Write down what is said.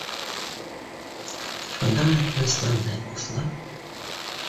Шунда ғына тынысланды уҫлап